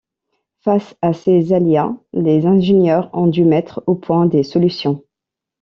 Face à ces aléas, les ingénieurs ont dû mettre au point des solutions.